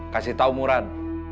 kasih tahu muran